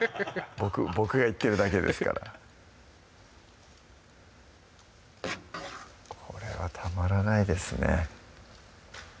僕が言ってるだけですからこれはたまらないですね